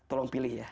tolong pilih ya